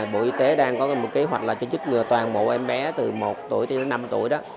bộ y tế đang có một kế hoạch là trích ngừa toàn bộ em bé từ một tuổi tới năm tuổi